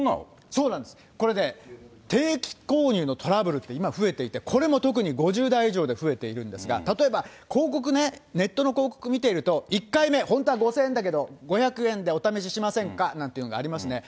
そうなんです、これね、定期購入のトラブルって今、増えていて、これも特に５０代以上で増えているんですが、例えば広告ね、ネットの広告見ていると、１回目、本当は５００円だけど、５００円でお試ししませんかなんていうのがありますね。